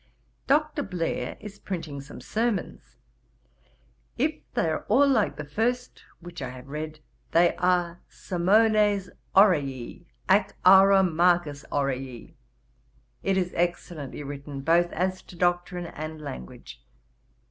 'Dr. Blair is printing some sermons. If they are all like the first, which I have read, they are sermones aurei, ac auro magis aurei. It is excellently written both as to doctrine and language.